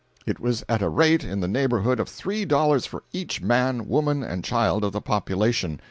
It was at a rate in the neighborhood of three dollars for each man, woman and child of the population.